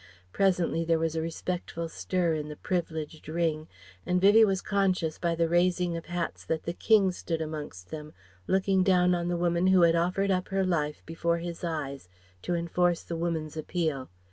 Presently there was a respectful stir in the privileged ring, and Vivie was conscious by the raising of hats that the King stood amongst them looking down on the woman who had offered up her life before his eyes to enforce the Woman's appeal.